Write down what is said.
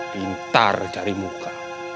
pintar cari muka